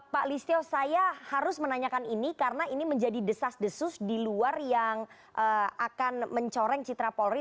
pak listio saya harus menanyakan ini karena ini menjadi desas desus di luar yang akan mencoreng citra polri